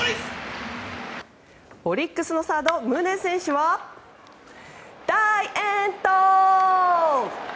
オリックスのサード宗選手は大遠投。